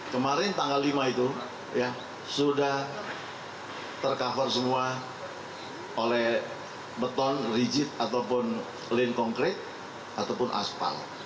kemarin tanggal lima itu sudah tercover semua oleh beton rigid ataupun lin konkret ataupun aspal